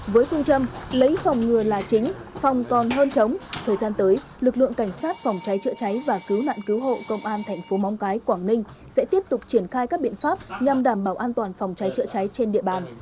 với phương châm lấy phòng ngừa là chính phòng còn hơn chống thời gian tới lực lượng cảnh sát phòng cháy chữa cháy và cứu nạn cứu hộ công an thành phố móng cái quảng ninh sẽ tiếp tục triển khai các biện pháp nhằm đảm bảo an toàn phòng cháy chữa cháy trên địa bàn